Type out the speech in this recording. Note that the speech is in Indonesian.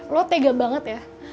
lo tega banget ya